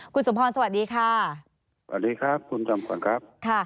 คุณสมพรสวัสดีค่ะสวัสดีครับคุณจอมขวัญครับค่ะ